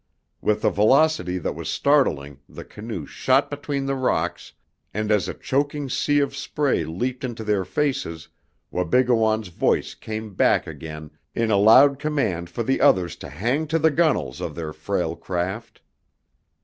With a velocity that was startling the canoe shot between the rocks, and as a choking sea of spray leaped into their faces Wabigoon's voice came back again in a loud command for the others to hang to the gunwales of their frail craft.